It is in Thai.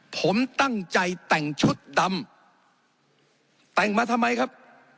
ผมตั้งใจแต่งชุดดำแต่งมาทำไมครับ